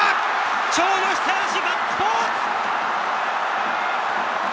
長野久義、ガッツポーズ！